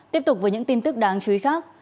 tiếp tục với những tin tức đáng chú ý khác